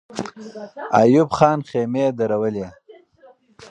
ایوب خان خېمې درولې.